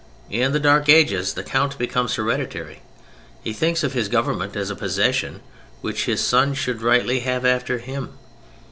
In the Dark Ages the count becomes hereditary. He thinks of his government as a possession which his son should rightly have after him.